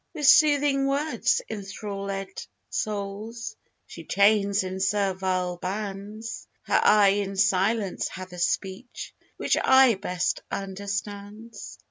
With soothing words inthrallèd souls She chains in servile bands! Her eye in silence hath a speech Which eye best understands.